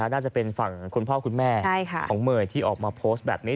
น่าจะเป็นฝั่งคุณพ่อคุณแม่ของเมย์ที่ออกมาโพสต์แบบนี้